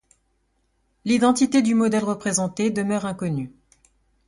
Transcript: L’identité du modèle représenté demeure inconnue.